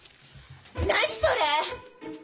何それ！